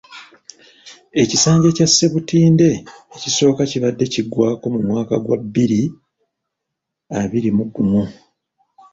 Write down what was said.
Ekisanja kya Ssebutinde ekisooka kibadde kiggwako mu mwaka gwa bbiri abiri mu gumu.